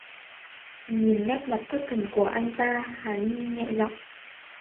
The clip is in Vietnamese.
Nhìn nét mặt Thất thần của anh ta Hà Ni nhẹ giọng